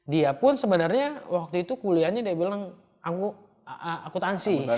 dia pun sebenarnya waktu itu kuliahnya dia bilang akutansi